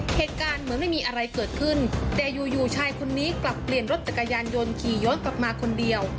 เหตุการณ์เหมือนไม่มีอะไรเกิดขึ้นแต่อยู่อยู่ชายคนนี้กลับเปลี่ยนรถจักรยานยนต์ขี่ย้อนกลับมาคนเดียว